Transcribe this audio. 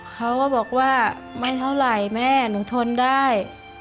เขาก็บอกว่าไม่เท่าไหร่แม่หนูทนได้